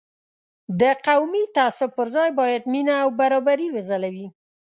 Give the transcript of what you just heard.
د قومي تعصب پر ځای باید مینه او برابري وځلوي.